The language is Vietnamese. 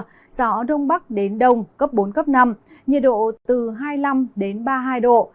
gió đông bắc đến đông cấp bốn cấp năm nhiệt độ từ hai mươi năm ba mươi hai độ